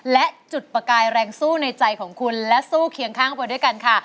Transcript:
และจุดประกายแรงสู้ในใจของคุณและสู้เคียงข้างไปด้วยกันค่ะ